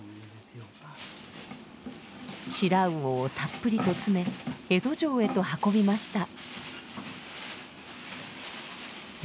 白魚をたっぷりと詰め江戸城へと運びました。